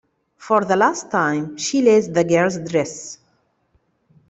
For the last time she laced the girl's dress.